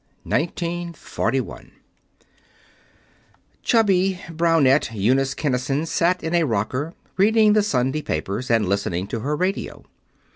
CHAPTER 5 1941 Chubby, brownette Eunice Kinnison sat in a rocker, reading the Sunday papers and listening to her radio.